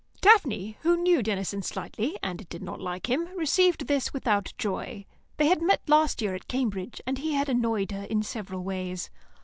Daphne, who knew Denison slightly, and did not like him, received this without joy. They had met last year at Cambridge, and he had annoyed her in several ways.